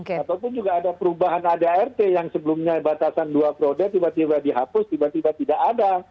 ataupun juga ada perubahan adart yang sebelumnya batasan dua prode tiba tiba dihapus tiba tiba tidak ada